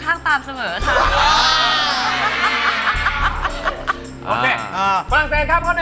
ฝรั่งเศรษฐ์